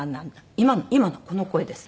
今の今のこの声です。